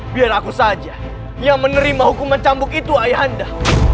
biar aku saja yang menerima hukuman cambuk itu ayahanda